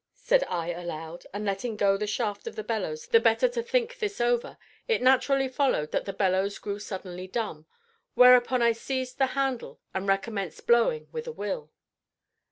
said I aloud, and, letting go the shaft of the bellows the better to think this over, it naturally followed that the bellows grew suddenly dumb, whereupon I seized the handle and recommenced blowing with a will.